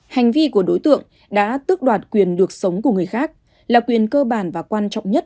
hành vi của đối tượng đã tước đoạt quyền được sống của người khác là quyền cơ bản và quan trọng nhất